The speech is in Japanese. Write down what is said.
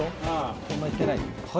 そんな行ってない？